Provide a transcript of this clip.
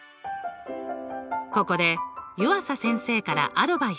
ここで湯浅先生からアドバイス。